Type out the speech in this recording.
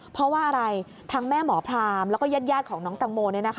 เพราะว่าอะไรทั้งแม่หมอพรามแล้วก็ญาติของน้องตังโม